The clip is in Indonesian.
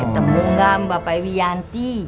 ketemu gak bapak wianti